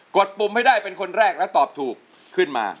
ดปุ่มให้ได้เป็นคนแรกแล้วตอบถูกขึ้นมา